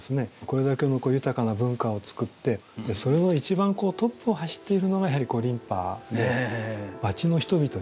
これだけの豊かな文化を作ってそれの一番こうトップを走っているのがやはり琳派で。